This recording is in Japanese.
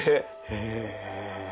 へぇ。